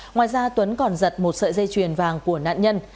ngoài ra tuấn còn giật một sợi dây chuyền vàng của nạn nhân